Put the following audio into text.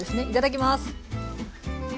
いただきます。